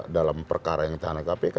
dalam perkara yang ditahan oleh kpk